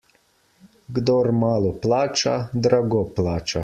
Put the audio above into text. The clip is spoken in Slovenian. Kdor malo plača, drago plača.